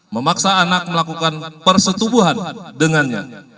memaksa anak melakukan persetubuhan dengannya